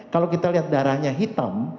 kalau kita lihat darahnya hitam